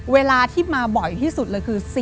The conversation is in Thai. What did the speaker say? เวลาที่มาบ่อยที่สุดเลยคือ